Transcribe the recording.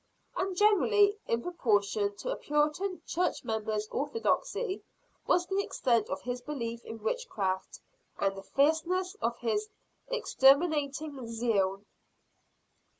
And generally in proportion to a Puritan church member's orthodoxy, was the extent of his belief in witchcraft, and the fierceness of his exterminating zeal.